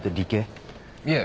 いえ。